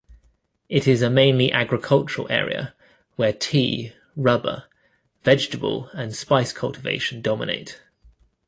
It is a mainly agricultural area, where tea, rubber, vegetable and spice cultivation dominate.